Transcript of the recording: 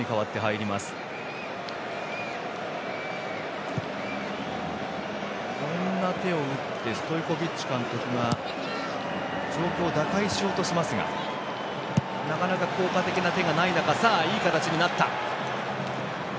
いろんな手を打ってストイコビッチ監督が状況を打開しようとしますが効果的な手がない中で。